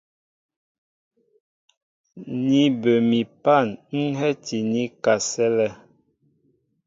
Ni bə mi pân ń hɛ́ti ní kasɛ́lɛ.